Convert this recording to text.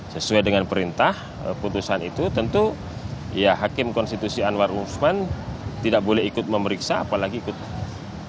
sesuai dengan perintah putusan itu tentu ya hakim konstitusi anwar usman tidak boleh ikut memeriksa apalagi ikut